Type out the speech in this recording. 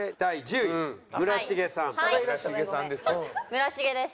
村重です。